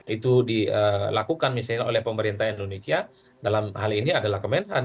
itu dilakukan misalnya oleh pemerintah indonesia dalam hal ini adalah kemenhan